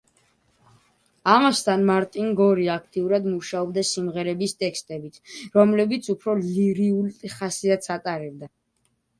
ამასთან, მარტინ გორი აქტიურად მუშაობდა სიმღერების ტექსტებით, რომლებიც უფრო ლირიულ ხასიათს ატარებდნენ.